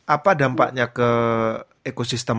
apa dampaknya ke ekosistem